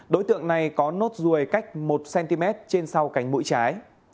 đối tượng này có nốt ruồi cách một cm trên sau cánh mũi trái